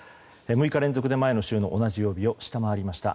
６日連続で前の週の同じ曜日を下回りました。